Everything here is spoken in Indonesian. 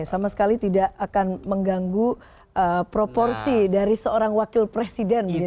sama sekali tidak akan mengganggu proporsi dari seorang wakil presiden